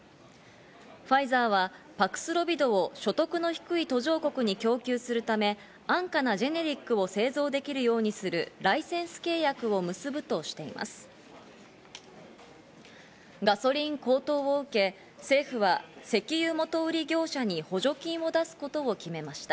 ファイザーはパクスロビドを所得の低い途上国に供給するため安価なジェネリックを製造できるようにするライセンガソリン高騰を受け、政府は石油元売り業者に補助金を出すことを決めました。